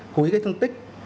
hú ý cái thương tích